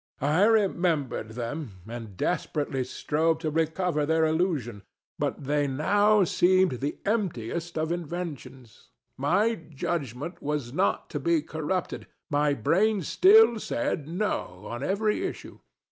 I remembered them and desperately strove to recover their illusion; but they now seemed the emptiest of inventions: my judgment was not to be corrupted: my brain still said No on every issue.